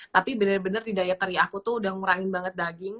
tapi bener bener di dietary aku tuh udah ngurangin banget daging